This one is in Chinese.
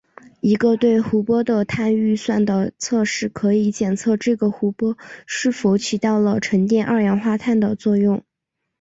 一个对湖泊的碳预算的测试可以检测这个湖泊是否起到了沉淀二氧化碳的作用。